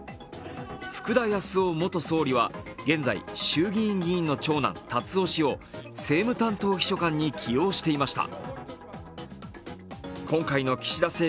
福田康夫元総理は現在、衆議院議員の長男、達夫氏を政務担当秘書官に起用していました。